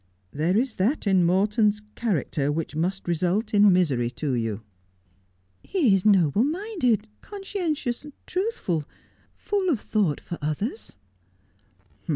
There is that in Morton's character which must result in misery to you.' ' He is noble minded, conscientious, truthful — full of thought for others.'